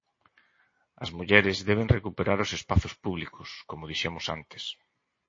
As mulleres deben recuperar os espazos públicos, como dixemos antes.